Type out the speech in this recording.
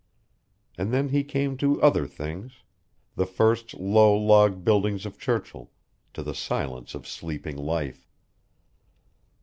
And then he came to other things, the first low log buildings of Churchill, to the silence of sleeping life.